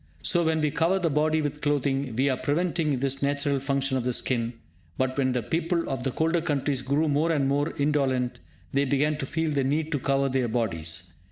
So when we cover the body with clothing, we are preventing this natural function of the skin. But when the people of the colder countries grew more and more indolent, they began to feel the need to cover their bodies.